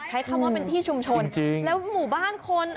ใช้คำว่าเป็นที่ชุมชนแล้วหมู่บ้านคน